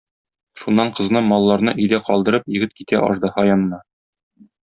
Шуннан кызны, малларны өйдә калдырып, егет китә аждаһа янына.